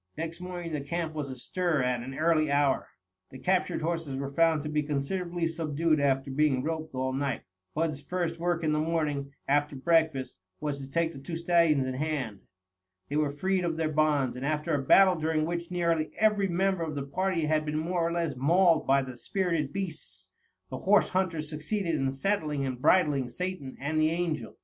Next morning the camp was astir at an early hour. The captured horses were found to be considerably subdued after being roped all night. Bud's first work in the morning, after breakfast, was to take the two stallions in hand. They were freed of their bonds, and after a battle during which nearly every member of the party had been more or less mauled by the spirited beasts, the horse hunters succeeded in saddling and bridling Satan and the Angel.